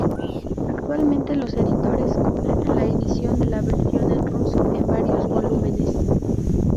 Actualmente los editores completan la edición de la versión en ruso, en varios volúmenes.